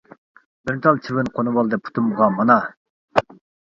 -بىر تال چىۋىن قونۇۋالدى پۇتۇمغا مانا!